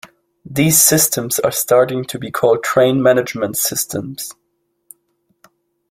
These systems are starting to be called train management systems.